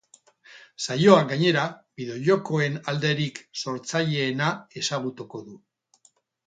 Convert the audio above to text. Saioak, gainera, bideojokoen alderik sortzaileena ezagutuko du.